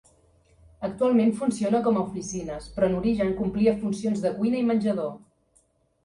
Actualment funciona com a oficines, però en origen complia funcions de cuina i menjador.